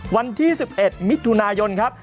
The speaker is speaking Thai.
วันที่๑๑มิถุนายนครับ